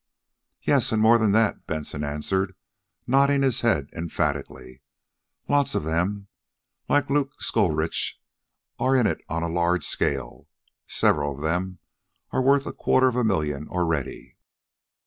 "Yes, and more than that," Benson answered, nodding his head emphatically. "Lots of them, like Luke Scurich, are in it on a large scale. Several of them are worth a quarter of a million already.